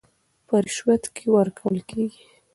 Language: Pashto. په رشوت کې ورکول کېږي